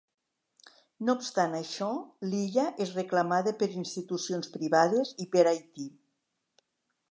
No obstant això, l'illa és reclamada per institucions privades i per Haití.